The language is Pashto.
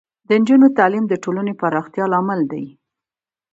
د نجونو تعلیم د ټولنې پراختیا لامل دی.